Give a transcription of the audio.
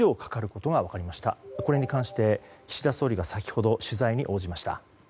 これに関して、岸田総理が先ほど取材に応じました。